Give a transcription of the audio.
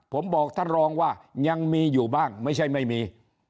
ผมบอกท่านรองว่ายังมีอยู่บ้างไม่ใช่ไม่มี